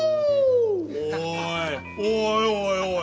おいおいおい。